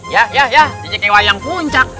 ya ya ya jajan kayak wayang puncak